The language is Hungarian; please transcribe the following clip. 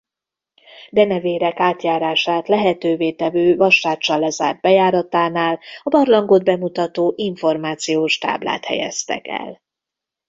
Denevérek átjárását lehetővé tevő vasráccsal lezárt bejáratánál a barlangot bemutató információs táblát helyeztek el.